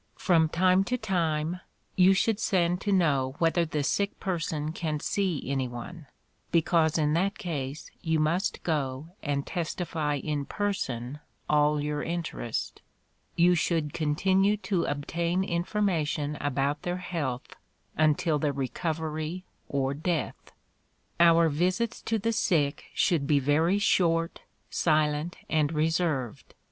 From time to time, you should send to know whether the sick person can see any one, because in that case you must go and testify in person, all your interest. You should continue to obtain information about their health until their recovery or death. Our visits to the sick should be very short, silent, and reserved.